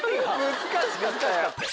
難しかったよ。